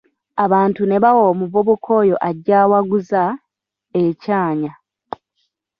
Abantu ne bawa omuvubuka oyo ajja awaguza, ekyanya.